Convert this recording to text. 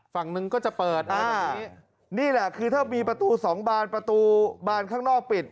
ฝั่งหนึ่งก็จะเปิดนี่แหละคือถ้ามีประตูสองบานประตูบานข้างนอกปิด